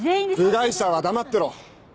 部外者は黙ってろ。